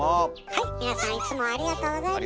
はい皆さんいつもありがとうございます。